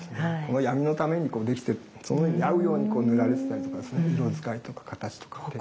この闇のためにできてるそのように合うように塗られてたりとかする色使いとか形とか。